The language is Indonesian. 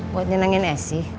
buat nyenengin esi